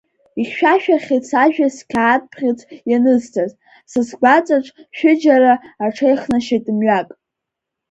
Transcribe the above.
Ихьшәашәахьеит сажәа сқьаад-бӷьыц ианысҵаз, са сгәаҵаҿ шәы-џьара аҽеихнашеит Мҩак…